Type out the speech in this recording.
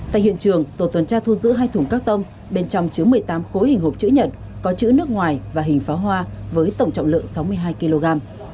tại hiện trường tổ tuần tra thu giữ hai thùng các tông bên trong chứa một mươi tám khối hình hộp chữ nhật có chữ nước ngoài và hình pháo hoa với tổng trọng lượng sáu mươi hai kg